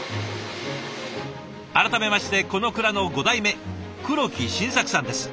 改めましてこの蔵の５代目黒木信作さんです。